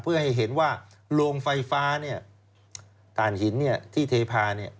เพื่อให้เห็นว่าโรงไฟฟ้าฐานหินที่เทพา